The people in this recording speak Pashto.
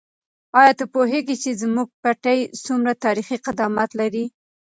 آیا ته پوهېږې چې زموږ پټی څومره تاریخي قدامت لري؟